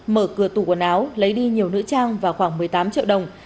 mở cửa tủ quần áo lấy đi nhiều nữ trang và khoảng một mươi tám triệu đồng